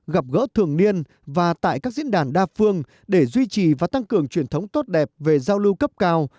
gặp gỡ thường niên và tại các diễn đàn đa phương để duy trì và tăng cường truyền thống tốt đẹp về giao lưu cấp cao